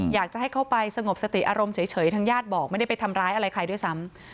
อยากจะให้เข้าไปสงบสติอารมณ์เฉยทางญาติบอกไม่ได้ไปทำร้ายอะไรใครด้วยซ้ำ